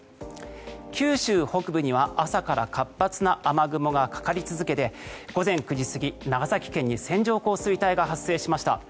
九州北部には朝から活発な雨雲がかかり続けて午前９時過ぎ長崎県に線状降水帯が発生しました。